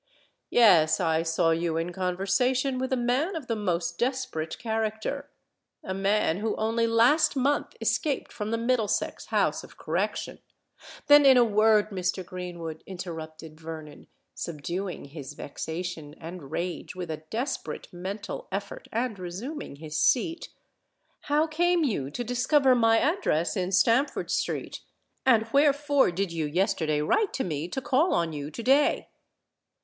"Yes: I saw you in conversation with a man of the most desperate character—a man who only last month escaped from the Middlesex House of Correction——" "Then, in a word, Mr. Greenwood," interrupted Vernon, subduing his vexation and rage with a desperate mental effort, and resuming his seat, "how came you to discover my address in Stamford Street? and wherefore did you yesterday write to me to call on you to day?"